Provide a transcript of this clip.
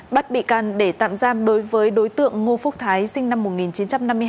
bắt bị can để tạm giam đối với đối tượng ngô phúc thái sinh năm một nghìn chín trăm năm mươi hai